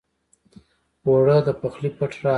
اوړه د پخلي پټ راز دی